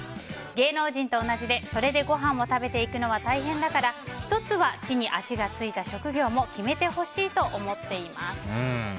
芸能人と同じでそれでごはんを食べていくのは大変だから１つは地に足がついた職業も決めてほしいと思っています。